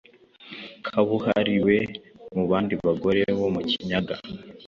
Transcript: kabuhariwe mubandi bagore bo mu Kinyaga.